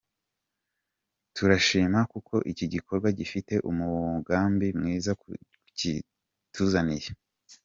Turayishima kuko iki gikorwa gifite umugambi mwiza kituzaniye.